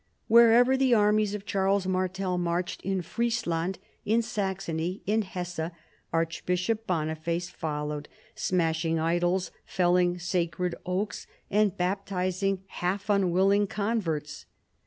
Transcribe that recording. Wherever the armies of Charles Martel marched, in Friesland, in Saxony, in Hesse, Archbishop Boniface followed, smashing idols, felling sacred oaks, and baptizing half unwill ing converts.